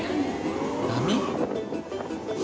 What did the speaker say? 波？